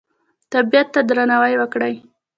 طبیعت ته درناوی وکړئ